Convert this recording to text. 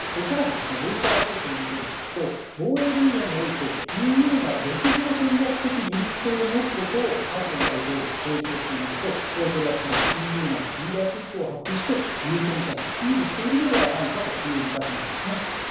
更にロイター通信を見てみますと防衛分野においてＥＵが独自の戦略的自立性を持つことをマクロン大統領は提唱していましてこれはつまりＥＵ内のリーダーシップを発揮して有権者にアピールしているのでは内科ということです。